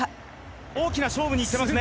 大きな勝負に行ってますね。